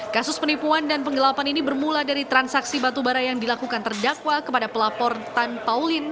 kasus penipuan dan penggelapan ini bermula dari transaksi batubara yang dilakukan terdakwa kepada pelapor tan pauline